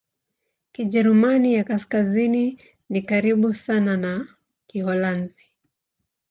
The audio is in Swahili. Kijerumani ya Kaskazini ni karibu sana na Kiholanzi.